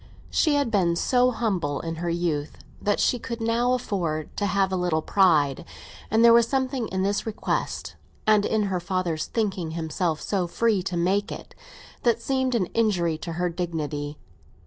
She had been so humble in her youth that she could now afford to have a little pride, and there was something in this request, and in her father's thinking himself so free to make it, that seemed an injury to her dignity.